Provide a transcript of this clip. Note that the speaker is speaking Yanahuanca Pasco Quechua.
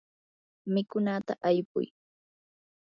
mikunata aypuy.